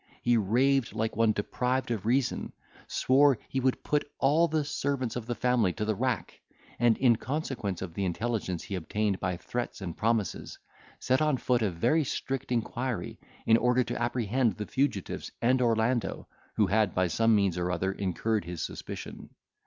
He raved like one deprived of reason—swore he would put all the servants of the family to the rack—and, in consequence of the intelligence he obtained by threats and promises, set on foot a very strict inquiry, in order to apprehend the fugitives and Orlando, who had by some means or other incurred his suspicion.